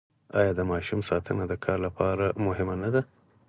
آیا د ماشوم ساتنه د کار لپاره مهمه نه ده؟